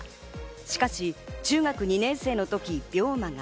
しかし中学２年生のとき病魔が。